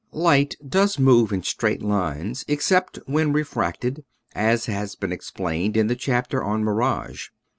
Light does move in straight lines, except when re fracted, as has been explained in the chap ter on Mirage.